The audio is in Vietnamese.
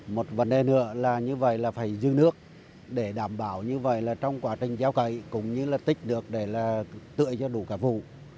một vấn đề nữa là như vậy là phải dư nước để đảm bảo như vậy là trong quá trình giao cậy cũng như là tích được để là tựa cho đủ cả vụ